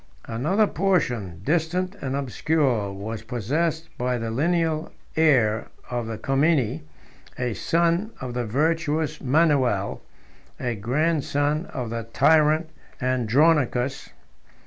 Another portion, distant and obscure, was possessed by the lineal heir of the Comneni, a son of the virtuous Manuel, a grandson of the tyrant Andronicus.